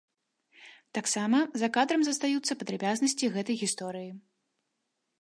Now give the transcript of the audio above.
Таксама за кадрам застаюцца падрабязнасці гэтай гісторыі.